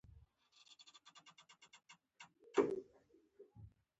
د هغې ناروغۍ له کبله چې ورپېښه شوې وه ومړ.